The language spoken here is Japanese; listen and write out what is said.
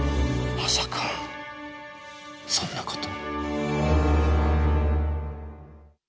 まさかそんなこと。